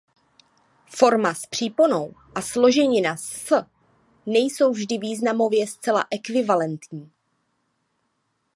Forma s příponou a složenina s nejsou vždy významově zcela ekvivalentní.